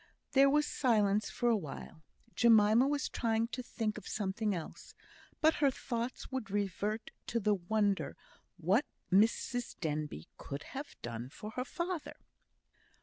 There was silence for a little while. Jemima was trying to think of something else, but her thoughts would revert to the wonder what Mrs Denbigh could have done for her father.